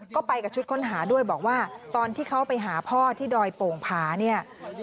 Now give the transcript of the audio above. ก็ไปกับชุดค้นหาด้วยบอกว่าตอนที่เขาไปหาพ่อที่ดอยโป่งผาเนี่ย